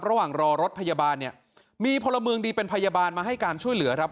ระหว่างรอรถพยาบาลเนี่ยมีพลเมืองดีเป็นพยาบาลมาให้การช่วยเหลือครับ